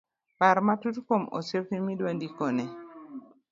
par matut kuom osiepni ma idwa ndikone